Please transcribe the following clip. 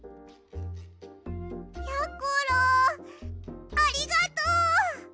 やころありがとう！